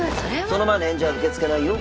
その前の返事は受け付けないよ